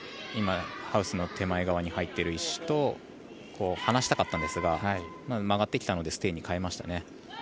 今、ハウスの手前側に入ってる石と離したかったんですが曲がってきたのでステイに変えましたね。